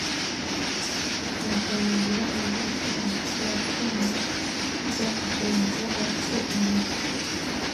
Umugabo wirabura akoresha icyuma gisya kugirango asya inkoni